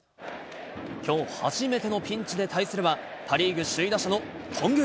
きょう、初めてのピンチで対するは、パ・リーグ首位打者の頓宮。